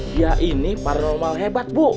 dia ini parnomal hebat bu